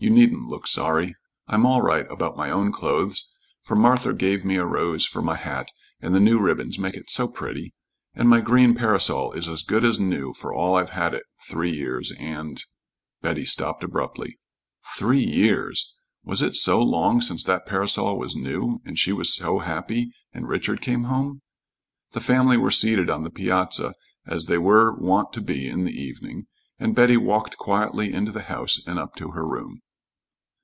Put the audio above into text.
You needn't look sorry. I'm all right about my own clothes, for Martha gave me a rose for my hat, and the new ribbons make it so pretty, and my green parasol is as good as new for all I've had it three years, and " Betty stopped abruptly. Three years! was it so long since that parasol was new and she was so happy and Richard came home ? The family were seated on the piazza as they were wont to be in the evening, and Betty walked quietly into the house, and up to her room.